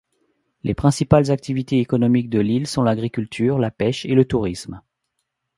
Les principales activités économiques de l'île sont l'agriculture, la pêche et le tourisme.